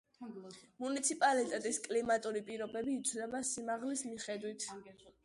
მუნიციპალიტეტის კლიმატური პირობები იცვლება სიმაღლის მიხედვით.